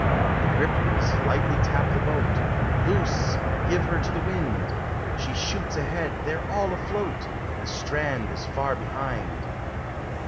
The ripples lightly tap the boat; Loose! Give her to the wind! She shoots ahead; they're all afloat; The strand is far behind.